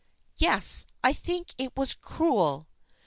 " Yes, I think it was cruel."